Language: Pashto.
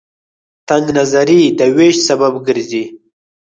تنگ نظرۍ د وېش سبب ګرځي.